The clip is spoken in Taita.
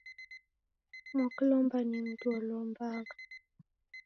Mwakulomba ni mndu ulombagha.